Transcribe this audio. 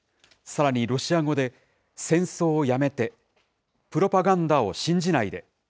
さらにロシア語で、戦争をやめて、プロパガンダを信じないで。